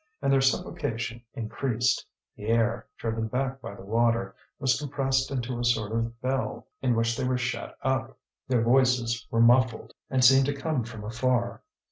And their suffocation increased; the air, driven back by the water, was compressed into a sort of bell in which they were shut up. Their voices were muffled, and seemed to come from afar.